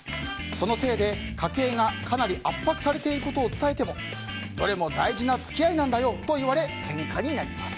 そのせいで、家計がかなり圧迫されていることを伝えても、どれも大事な付き合いなんだよと言われけんかになります。